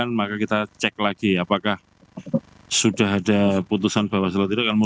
nah kepada persi demande berlangsung kapal